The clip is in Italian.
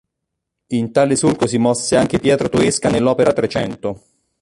In tale solco si mosse anche Pietro Toesca nell'opera "Trecento".